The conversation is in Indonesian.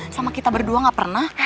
sama kita berdua gak pernah